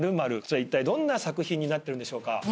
こちらいったいどんな作品になってるんでしょうか。